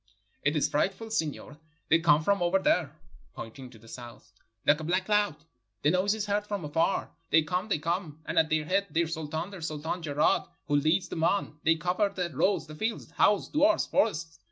*'It is frightful, signor; they come from over there," pointing to the south, "Hke a black cloud; the noise is heard from afar. They come, they come, and at their head their sultan, the Sultan Jeraad, who leads them on; they cover the roads, the fields, houses, duars, forests.